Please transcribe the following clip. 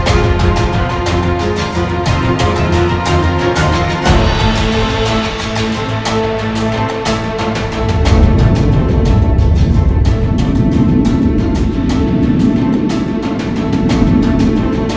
aku akan menikah denganmu